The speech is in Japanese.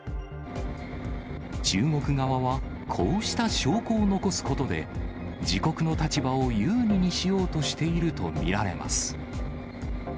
中国側はこうした証拠を残すことで、自国の立場を有利にしようとしていると見られます。